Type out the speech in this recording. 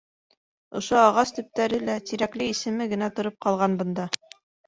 Ошо агас төптәре лә, Тирәкле исеме генә тороп ҡалған бында.